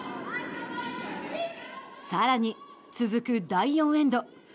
さらに続く第４エンド。